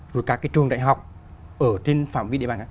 rồi các cái trường đại học ở trên phạm vi địa bàn